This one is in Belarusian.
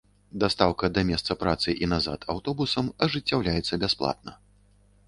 Дастаўка да месца працы і назад аўтобусам ажыццяўляецца бясплатна.